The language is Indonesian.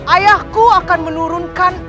ayahku akan menurunkan